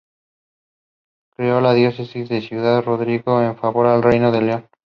Creó la diócesis de Ciudad Rodrigo en favor del Reino de León.